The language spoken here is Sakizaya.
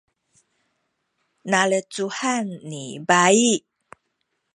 nalecuhan ni bayi